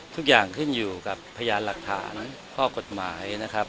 ทุกอย่างขึ้นอยู่กับพยานหลักฐานข้อกฎหมายนะครับ